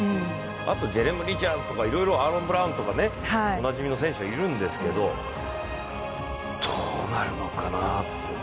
あとジェレーム・リチャーズとかアーロン・ブラウンとかおなじみの選手はいるんですけどどうなるのかなっていう。